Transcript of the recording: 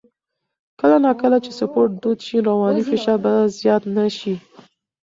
کله نا کله چې سپورت دود شي، رواني فشار به زیات نه شي.